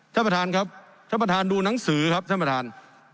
ท่านประธานครับท่านประธานดูหนังสือครับท่านประธาน